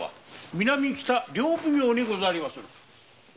南北両奉行にござります。